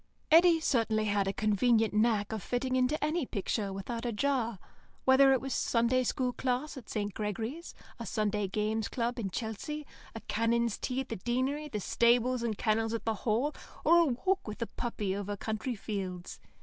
Eddy certainly had a convenient knack of fitting into any picture without a jar, whether it was a Sunday School class at St. Gregory's, a Sunday Games Club in Chelsea, a canons' tea at the Deanery, the stables and kennels at the Hall, or a walk with a puppy over country fields.